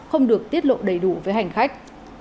không được tiết lộ đầy đủ với hành khách